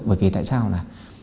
bởi vì tại sao là